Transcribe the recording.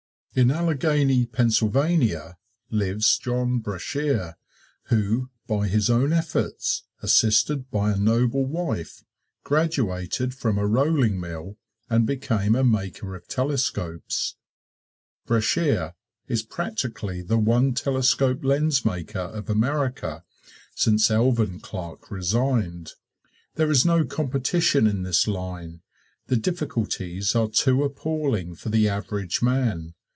In Allegheny, Pennsylvania, lives John Brashear, who, by his own efforts, assisted by a noble wife, graduated from a rolling mill and became a maker of telescopes. Brashear is practically the one telescope lens maker of America since Alvan Clark resigned. There is no competition in this line the difficulties are too appalling for the average man.